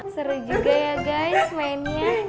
seru juga ya guys mainnya